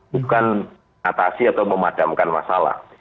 bukan atasi atau memadamkan masalah